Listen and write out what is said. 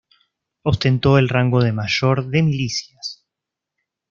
Ostentó el rango de mayor de milicias.